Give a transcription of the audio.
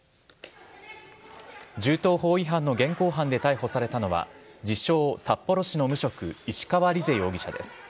銃刀法違反の現行犯で逮捕されたのは、自称、札幌市の無職、石川莉世容疑者です。